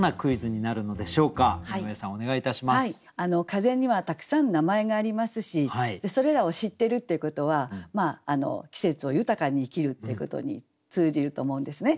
風にはたくさん名前がありますしそれらを知ってるっていうことは季節を豊かに生きるってことに通じると思うんですね。